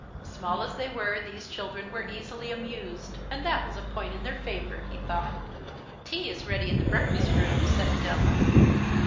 Small as they were tliese children were easily amused, and that was a point in their favour, he thought. " Tea is ready in the breakfast room," said Adela.